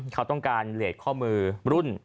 เขาต้องการเหลียดข้อมือรุ่น